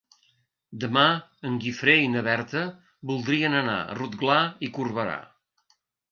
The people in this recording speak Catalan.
Demà en Guifré i na Berta voldrien anar a Rotglà i Corberà.